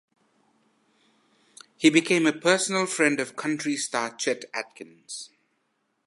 He became a personal friend of country star Chet Atkins.